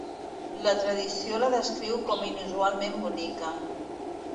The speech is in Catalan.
La tradició la descriu com inusualment bonica.